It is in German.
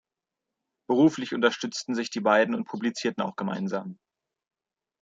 Beruflich unterstützten sich die beiden und publizierten auch gemeinsam.